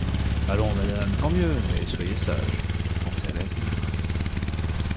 Allons, madame, tant mieux ; mais soyez sage, pensez à l’avenir...